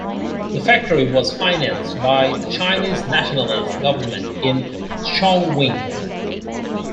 The factory was financed by the Chinese Nationalist government in Chongqing.